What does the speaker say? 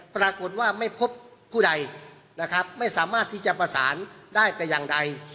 ปรากฏว่าไม่พบผู้ใดนะครับไม่สามารถที่จะประสานได้แต่อย่างใด